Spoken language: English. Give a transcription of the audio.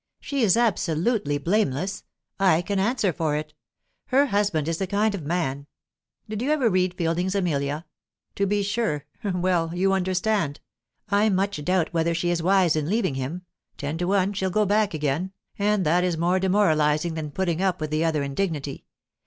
She is absolutely blameless: I can answer for it. Her husband is the kind of man Did you ever read Fielding's 'Amelia'? To be sure; well, you understand. I much doubt whether she is wise in leaving him; ten to one, she'll go back again, and that is more demoralizing than putting up with the other indignity.